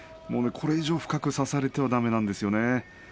これ以上深く差されてはだめなんですね。